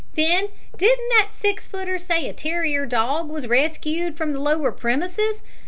Then, didn't that six footer say a terrier dog was reskooed from the lower premises?